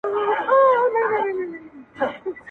حقیقت به مو شاهد وي او د حق په مخکي دواړه!!